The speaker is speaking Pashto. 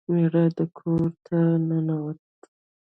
میړه کور ته ننوت.